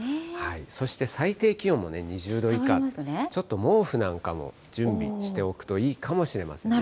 そして、最低気温も２０度以下、ちょっと毛布なんかも準備しておくといいかもしれませんね。